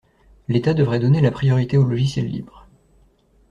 L'état devrait donner la priorité aux logiciels libres.